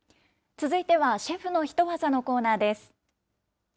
続いてはシェフのヒトワザのコーナーです。